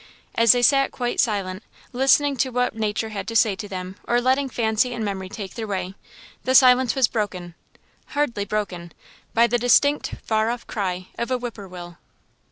As they sat quite silent, listening to what nature had to say to them, or letting fancy and memory take their way, the silence was broken hardly broken by the distinct far off cry of a whip poor will.